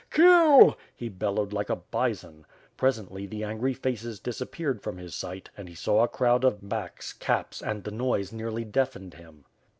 Kill!" he bellowed like a bison. Presently the angry faces disappeared from his sight and he saw a crowd of backs, caps and the noise nearly deafened him.